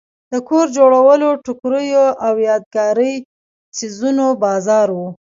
د کور جوړو ټوکریو او یادګاري څیزونو بازار و.